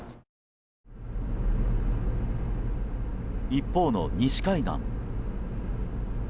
一方の西海岸。